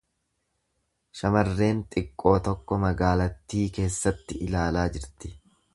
Shamarreen xiqqoo tokko magaalattii keessatti ilaalaa jirti.